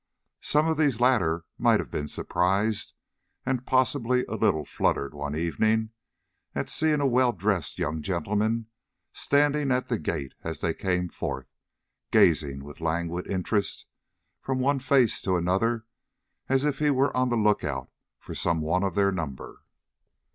Some of these latter might have been surprised, and possibly a little fluttered, one evening, at seeing a well dressed young gentleman standing at the gate as they came forth, gazing with languid interest from one face to another, as if he were on the look out for some one of their number.